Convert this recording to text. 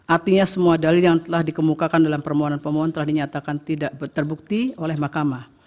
artinya semua dalil yang telah dikemukakan dalam permohonan pemohon telah dinyatakan tidak terbukti oleh mahkamah